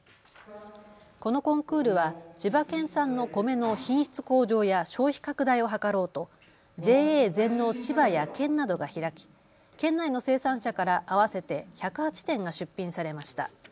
このコンクールは千葉県産の米の品質向上や消費拡大を図ろうとＪＡ全農ちばや県などが開き県内の生産者から合わせて１０８点が出品されました。